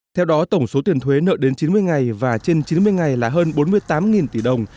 theo đó tổng số tiền thuế nợ đến chín mươi ngày và trên chín mươi ngày là hơn bốn mươi tám tỷ đồng